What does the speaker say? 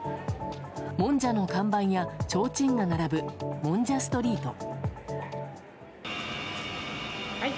もんじゃの看板やちょうちんが並ぶもんじゃストリート。